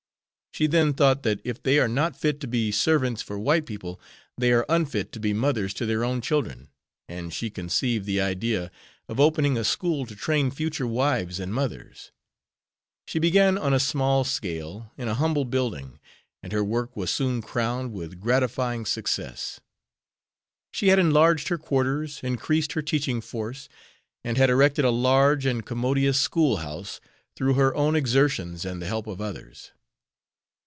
She then thought that if they are not fit to be servants for white people, they are unfit to be mothers to their own children, and she conceived the idea of opening a school to train future wives and mothers. She began on a small scale, in a humble building, and her work was soon crowned with gratifying success. She had enlarged her quarters, increased her teaching force, and had erected a large and commodious school house through her own exertions and the help of others.